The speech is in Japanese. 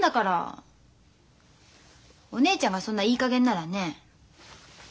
お姉ちゃんがそんないい加減ならね